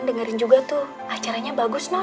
dan juga tuh acaranya bagus non